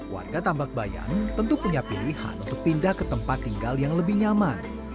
warga tambak bayan tentu punya pilihan untuk pindah ke tempat tinggal yang lebih nyaman